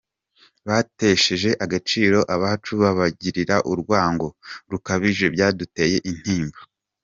Batesheje agaciro abacu babagirira urwango rukabije byaduteye intimba.